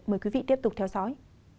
mời quý vị tiếp tục theo dõi